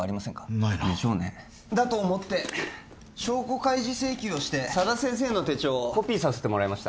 ないなでしょうねだと思って証拠開示請求をして佐田先生の手帳をコピーさせてもらいました